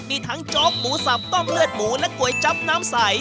มีทั้งโจ๊กหมูสับต้มเลือดหมูและก๋วยจับน้ำใส